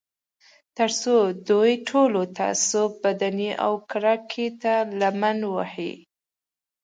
تر څو دوی ټول تعصب، بدبینۍ او کرکې ته لمن ووهي